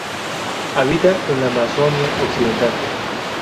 Habita en la Amazonía occidental.